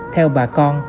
theo bà con